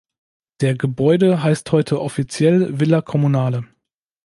Der Gebäude heißt heute offiziell "Villa Comunale".